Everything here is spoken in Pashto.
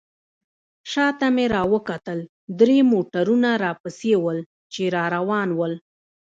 شاته مې راوکتل درې موټرونه راپسې ول، چې را روان ول.